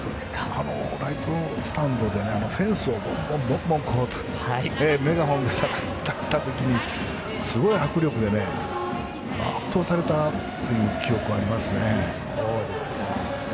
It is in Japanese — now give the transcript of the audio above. ライトスタンドでフェンスをボンボン、メガホンでたたかれだしたときにすごい迫力で圧倒されたという記憶がありますね。